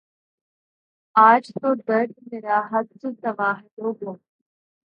آج تو درد مرا حد سے سوا ہے لوگو